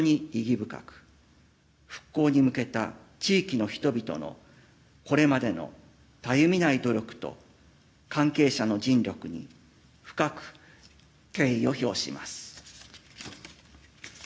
深く復興に向けた地域の人々のこれまでのたゆみない努力と関係者の尽力に深く敬意を表します。